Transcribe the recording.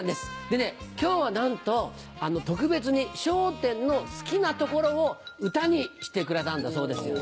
でね今日はなんと特別に『笑点』の好きなところを歌にしてくれたんだそうです。